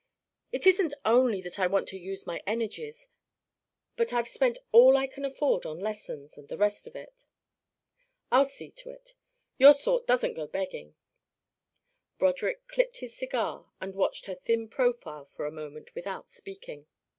It isn't only that I want to use my energies, but I've spent all I can afford on lessons and the rest of it." "I'll see to it. Your sort doesn't go begging." Broderick clipped his cigar and watched her thin profile for a moment without speaking.